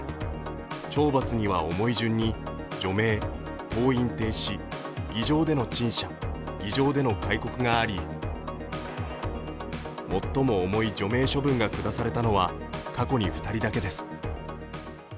懲罰には重い順に除名、登院停止、議場での陳謝、議場での戒告があり最も重い除名処分が下されたのは過去に２人だけです。